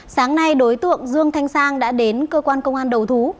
sáng nay đối tượng dương thanh sang đã đến cơ quan công an đầu thú